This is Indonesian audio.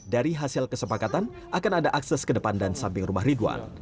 dari hasil kesepakatan akan ada akses ke depan dan samping rumah ridwan